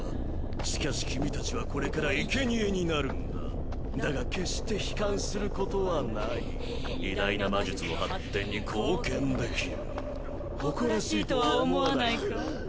しかし君達はこれからいけにえになるんだだが決して悲観することはない偉大な魔術の発展に貢献できる誇らしいとは思わないか？